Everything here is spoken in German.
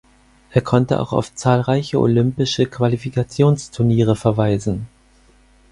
Er konnte auch auf zahlreiche olympische Qualifikationsturniere verweisen.